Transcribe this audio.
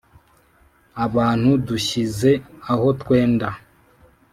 abantu dushyize aho twenda